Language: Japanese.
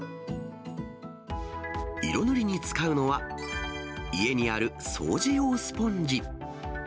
色塗りに使うのは、家にある掃除用スポンジ。